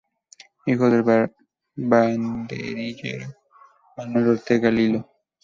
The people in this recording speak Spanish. Hijo del banderillero Manuel Ortega "Lillo".